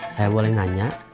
saya boleh nanya